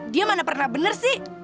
dia mana pernah bener sih